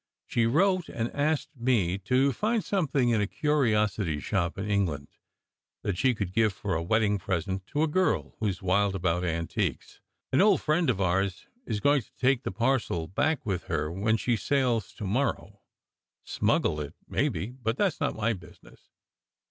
She wrote and asked me to find her something in a curiosity shop in England that she could give for a wedding present to a girl who s wild about antiques. An old friend of ours b going to take the parcel back with her when she sails to morrow; smuggle it, maybe, but that s not my business.